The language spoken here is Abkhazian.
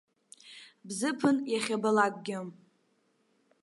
Бзыԥын иахьабалакгьы.